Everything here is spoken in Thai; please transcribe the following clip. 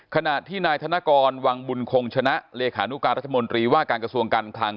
ขณะที่นายธนกรวังบุญคงชนะเลขานุการรัฐมนตรีว่าการกระทรวงการคลัง